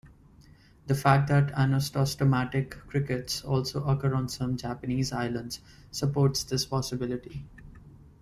The fact that anostostomatid crickets also occur on some Japanese islands supports this possibility.